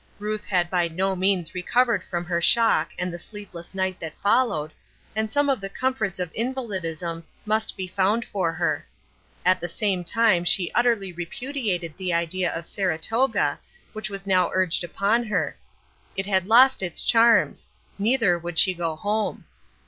Ruth had by no means recovered from her shock and the sleepless night that followed, and some of the comforts of invalidism must be found for her. At the same time she utterly repudiated the idea of Saratoga, which was now urged upon her; it had lost its charms; neither would she go home.